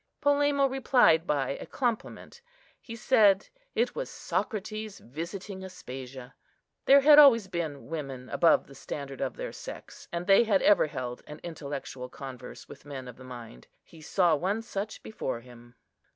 Polemo replied by a compliment; he said it was Socrates visiting Aspasia. There had always been women above the standard of their sex, and they had ever held an intellectual converse with men of mind. He saw one such before him.